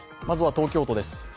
まずは東京都です。